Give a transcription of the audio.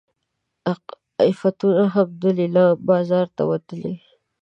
عفتونه هم د لیلام بازار ته وتلي.